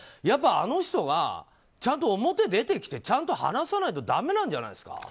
あの人がちゃんと表に出てきてちゃんと話さないとだめなんじゃないですか？